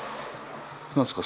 何ですか？